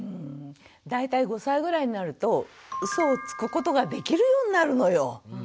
大体５歳ぐらいになるとうそをつくことができるようになるのよ。